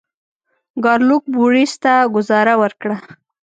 ګارلوک بوریس ته ګوزاره ورکړه.